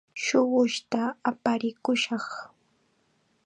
Shuqushta aparikushaq.